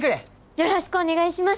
よろしくお願いします！